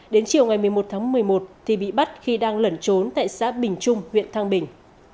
đến chiều ngày một mươi một tháng một mươi một thì bị bắt khi đang lẩn trốn tại xã bình trung huyện thang bình